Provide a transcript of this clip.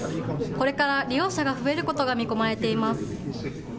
これから利用者が増えることが見込まれています。